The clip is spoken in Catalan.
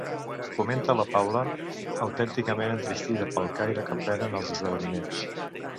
Comenta la Paula, autènticament entristida pel caire que prenen els esdeveniments.